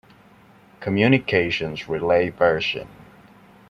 Communications relay version.